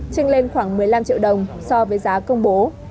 tranh lên khoảng một mươi năm triệu đồng so với giá công bố